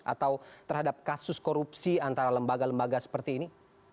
atau terhadap kasus korupsi antara lembaga lembaga seperti ini